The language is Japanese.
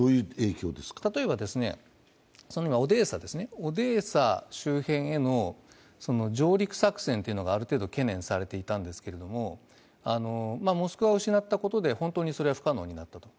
例えばオデーサ周辺への上陸作戦というのがある程度懸念されていたんですけれど「モスクワ」を失ったことで本当にそれは不可能になったと。